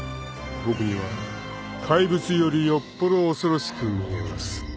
［僕には怪物よりよっぽど恐ろしくみえます］